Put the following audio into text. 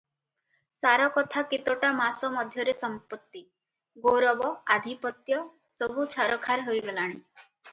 ସାରକଥା କେତୋଟା ମାସ ମଧ୍ୟରେ ସମ୍ପତ୍ତି, ଗୌରବ, ଆଧିପତ୍ୟ ସବୁ ଛାରଖାର ହୋଇଗଲାଣି ।